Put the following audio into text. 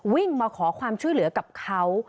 วิ่งมาขอความช่วยเหลือกับเขา